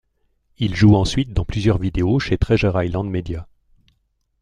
Il joue ensuite dans plusieurs vidéos chez Treasure Island Media.